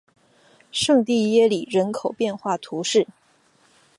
圣蒂耶里人口变化图示